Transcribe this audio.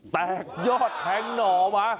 แตกยอดแทงหน่อมา